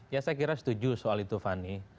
ya saya kira setuju soal itu fani